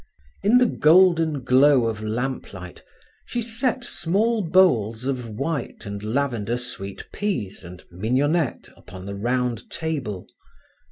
In the golden glow of lamplight she set small bowls of white and lavender sweet peas, and mignonette, upon the round table.